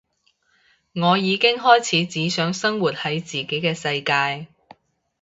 我已經開始只想生活喺自己嘅世界